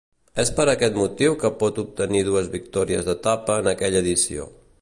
És per aquest motiu que pot obtenir dues victòries d'etapa en aquella edició.